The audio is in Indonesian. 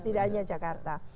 tidak hanya jakarta